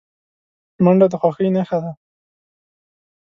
منډه د خوښۍ نښه ده